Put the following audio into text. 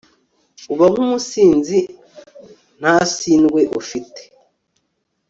uba nk'umusinzi nta sindwe ufite